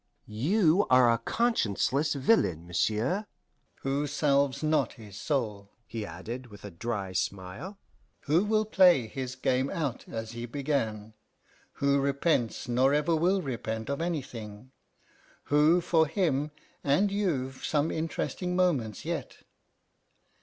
"You are a conscienceless villain, monsieur." "Who salves not his soul," he added, with a dry smile, "who will play his game out as he began; who repents nor ever will repent of anything; who for him and you some interesting moments yet.